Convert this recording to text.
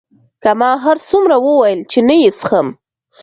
که ما هرڅومره وویل چې نه یې څښم.